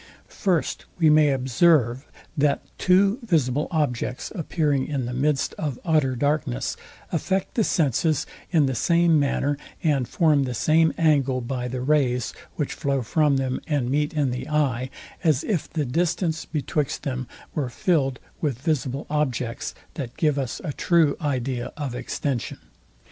First, We may observe, that two visible objects appearing in the midst of utter darkness, affect the senses in the same manner, and form the same angle by the rays, which flow from them, and meet in the eye, as if the distance betwixt them were find with visible objects, that give us a true idea of extension.